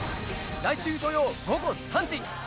来週土曜午後３時。